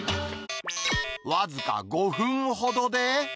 僅か５分ほどで。